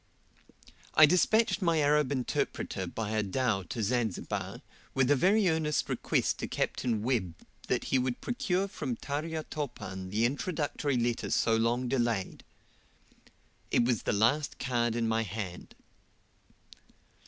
I despatched my Arab interpreter by a dhow to Zanzibar, with a very earnest request to Capt. Webb that he would procure from Tarya Topan the introductory letter so long delayed. It was the last card in my hand.